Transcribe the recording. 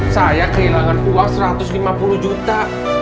saya kehilangan uang satu ratus lima puluh juta